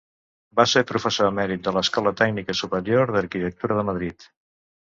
Va ser professor emèrit de l'Escola Tècnica Superior d'Arquitectura de Madrid.